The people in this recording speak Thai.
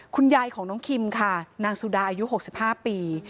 คุณยายของน้องคิมค่ะนางสุดาอายุ๖๕ปี